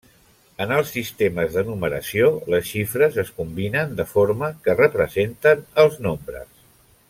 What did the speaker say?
En els sistemes de numeració, les xifres es combinen de forma que representen els nombres.